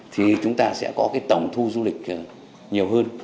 thì chúng ta sẽ có cái tổng thu du lịch nhiều hơn